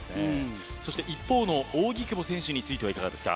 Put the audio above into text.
一方の扇久保選手についてはいかがですか。